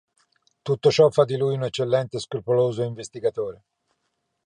Tutto ciò fa di lui un eccellente e scrupoloso investigatore.